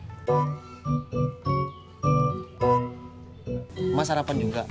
emak sarapan juga